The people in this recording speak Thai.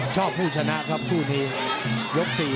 ชอบผู้ชนะครับผู้ที่